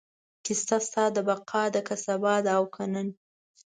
کیسه ستا د بقا ده، که سبا ده او که نن